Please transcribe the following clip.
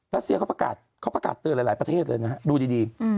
รัสเซียเขาประกาศเตือนหลายประเทศเลยนะดูดี